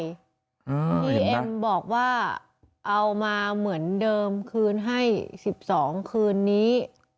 ที่เอ็มบอกว่าเอามาเหมือนเดิมคืนให้๑๒คืนนี้